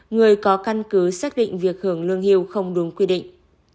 người có căn cứ xác định việc hưởng lương hưu không đúng quy định